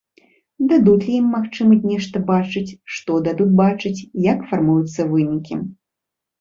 Дадуць лі ім магчымасць нешта бачыць, што дадуць бачыць, як фармуюцца вынікі.